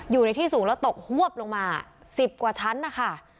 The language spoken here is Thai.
อยู่ในที่สูงแล้วตกฮวบลงมา๑๐กว่าชั้นนะคะ